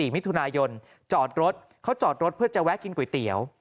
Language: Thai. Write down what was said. มิถุนายนจอดรถเขาจอดรถเพื่อจะแวะกินก๋วยเตี๋ยว